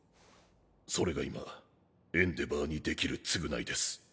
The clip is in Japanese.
それが今エンデヴァーにできる償いです。